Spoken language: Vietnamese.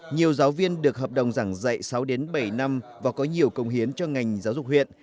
nhiều giáo viên được hợp đồng giảng dạy sáu bảy năm và có nhiều công hiến cho ngành giáo dục huyện